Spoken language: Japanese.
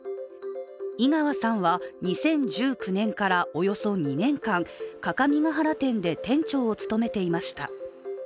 井川さんは、２０１９年からおよそ２年間各務原店で店長を務めていました。